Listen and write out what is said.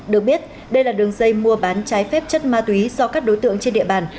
được biết đây là đường dây mua bán trái phép chất ma túy do các đối tượng trên địa bàn